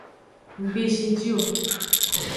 Nggbe zinji o.